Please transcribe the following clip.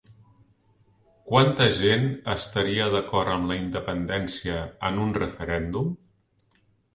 Quanta gent estaria d'acord amb la independència en un referèndum?